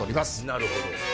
なるほど。